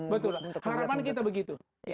betul harapan kita begitu